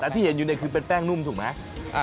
แต่ที่เห็นอยู่เนี่ยคือเป็นแป้งนุ่มถูกไหม